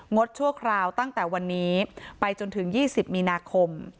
ชั่วคราวตั้งแต่วันนี้ไปจนถึง๒๐มีนาคม